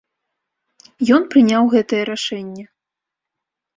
Ён прыняў гэтае рашэнне.